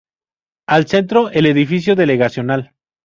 Al centro, el edificio delegacional.